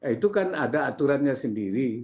itu kan ada aturannya sendiri